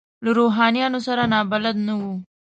له روحانیونو سره نابلده نه وو.